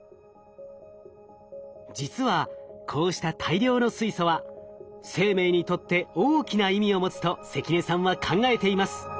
実はこうした大量の水素は生命にとって大きな意味を持つと関根さんは考えています。